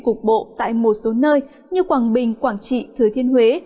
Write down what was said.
cuộc bộ tại một số nơi như quảng bình quảng trị thời thiên huế